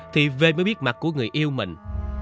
thì bê mới biết mặt của người yêu mình